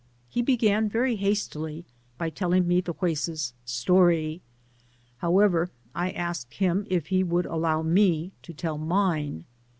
He began, very hastily, by telling me the Juez's story % how ever, I asked him if he would allow me to tell mine.